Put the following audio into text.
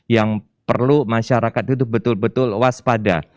yang perlu masyarakat itu betul betul waspada